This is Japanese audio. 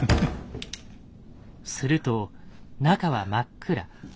すると中は真っ暗。